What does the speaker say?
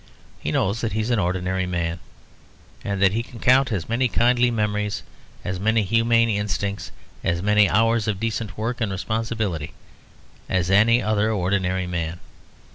He knows that he is an ordinary man, and that he can count as many kindly memories, as many humane instincts, as many hours of decent work and responsibility as any other ordinary man.